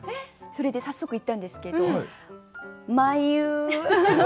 それで早速行ったんですけどまいうー！